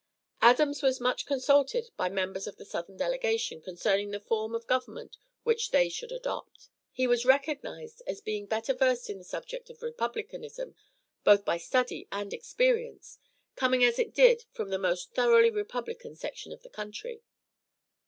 Adams was much consulted by members of the southern delegation concerning the form of government which they should adopt. He was recognized as being better versed in the subject of Republicanism, both by study and experience, coming as he did from the most thoroughly Republican section of the country.